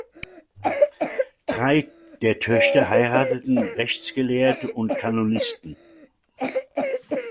Drei der Töchter heirateten Rechtsgelehrte und Kanonisten.